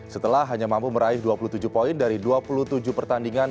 setelah hanya mampu meraih dua puluh tujuh poin dari dua puluh tujuh pertandingan